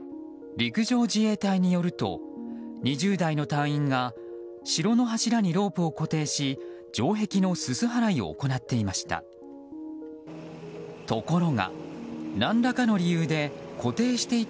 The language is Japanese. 陸上自衛隊によると２０代の隊員が城の柱にロープを固定し城壁のすす払いを行っていました。